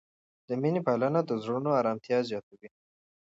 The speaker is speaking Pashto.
د مینې پالنه د زړونو آرامتیا زیاتوي.